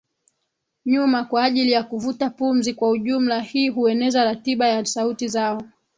nyuma kwa ajili ya kuvuta pumzi Kwa ujumla hii hueneza ratiba ya sauti zao